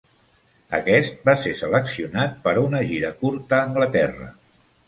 Aquest va ser seleccionat per a una gira curta a Anglaterra.